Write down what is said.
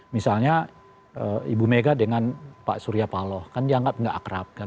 misalnya ibu mega dengan pak surya paloh kan dianggap nggak akrab kan